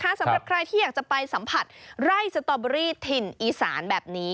สำหรับใครที่อยากจะไปสัมผัสไร่สตอเบอรี่ถิ่นอีสานแบบนี้